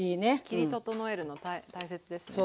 切り整えるの大切ですね。